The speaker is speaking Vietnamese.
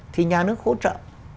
thì nhà nước hỗ trợ